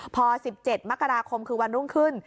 พอ๑๗มกราคมคือวันรุ่งขึ้น